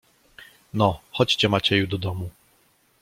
"No, chodźcie Macieju do domu."